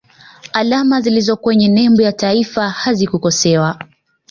alama zilizo kwenye nembo ya taifa hazikukosewa